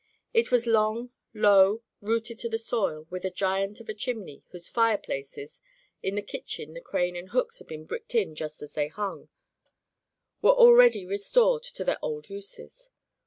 It was long, low, rooted to the soil, with a giant of a chimney whose fire places — in the kitchen the crane and hooks had been bricked in just as they hung — were already restored to their old uses.